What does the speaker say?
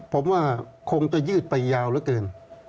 ผมว่าคงจะยืดไปยาวเหลือเกิน